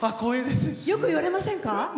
よく言われませんか？